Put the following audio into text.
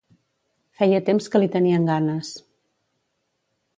Feia temps que li tenien ganes.